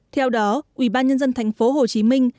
theo đó ubnd thành phố hồ chí minh